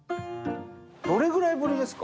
どれぐらいぶりですか？